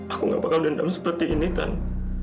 aku nggak bakal dendam seperti ini tante